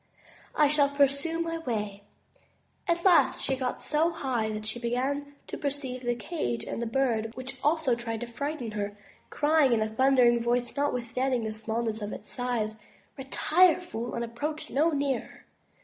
I shall pursue my way.'' At last she got so high that she began to perceive the cage and Bird which also tried to frighten her, crying in a thundering voice, notwithstanding the smallness of its size, "Retire, fool, and approach no nearer."